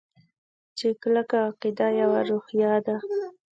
چې کلکه عقیده يوه روحیه ده.